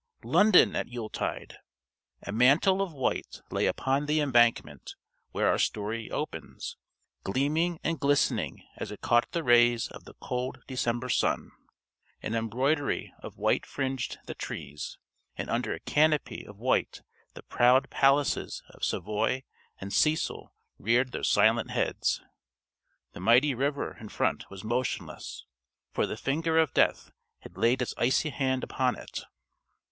London at Yuletide! A mantle of white lay upon the Embankment, where our story opens, gleaming and glistening as it caught the rays of the cold December sun; an embroidery of white fringed the trees; and under a canopy of white the proud palaces of Savoy and Cecil reared their silent heads. The mighty river in front was motionless, for the finger of Death had laid its icy hand upon it.